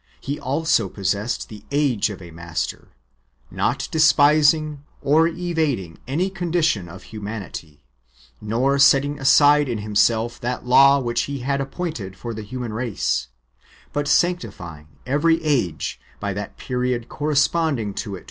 He also possessed the age of a Master, not despising or evading any condition of humanity, nor setting aside in Himself that law which He had^ appointed for the human race, but sanctifying every age, by that period corresponding to it which belonged to ' John vi.